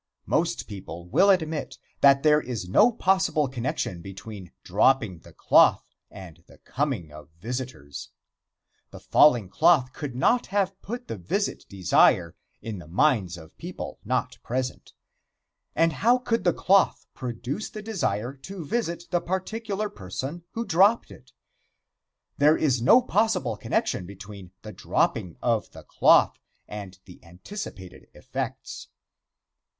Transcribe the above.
Most people will admit that there is no possible connection between dropping the cloth and the coming of visitors. The falling cloth could not have put the visit desire in the minds of people not present, and how could the cloth produce the desire to visit the particular person who dropped it? There is no possible connection between the dropping of the cloth and the anticipated effects.